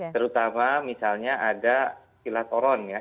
terutama misalnya ada silatoron ya